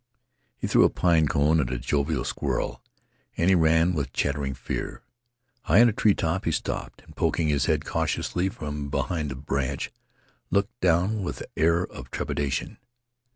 He threw a pine cone at a jovial squirrel, and he ran with chattering fear. High in a treetop he stopped, and, poking his head cautiously from behind a branch, looked down with an air of trepidation.